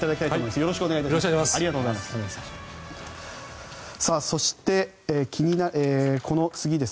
よろしくお願いします。